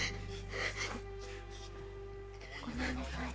ごめんなさい。